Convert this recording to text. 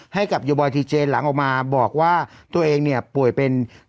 ให้กับโยบอยทีเจนหลังออกมาบอกว่าตัวเองเนี่ยป่วยเป็น